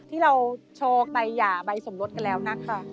ที่เราโชว์ใบหย่าใบสมรสกันแล้วนะคะ